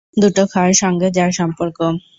দুটো খাওয়ার সঙ্গে যা সম্পর্ক।